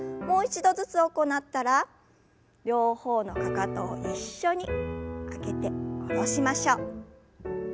もう一度ずつ行ったら両方のかかとを一緒に上げて下ろしましょう。